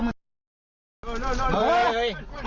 เฮ้ยเฮ้ยเฮ้ย